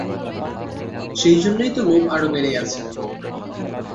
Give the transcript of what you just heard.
সেইজন্যেই তো লোভ আরো বেড়ে গেছে।